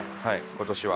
今年は。